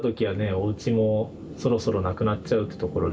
おうちもそろそろなくなっちゃうってところで。